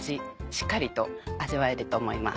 しっかりと味わえると思います。